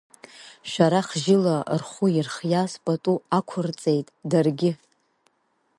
Шәарахжьыла рхәы ирхиаз пату ақәырҵеит даргьы.